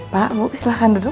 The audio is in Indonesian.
pak bu silahkan duduk